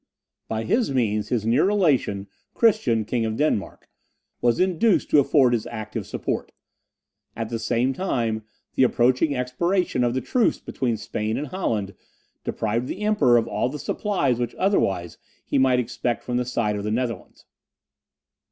By his means his near relation, Christian, King of Denmark, was induced to afford his active support. At the same time, the approaching expiration of the truce between Spain and Holland deprived the Emperor of all the supplies which otherwise he might expect from the side of the Netherlands.